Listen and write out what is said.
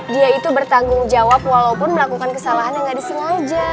dia itu bertanggung jawab walaupun melakukan kesalahan yang tidak disengaja